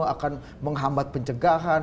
akan menghambat pencegahan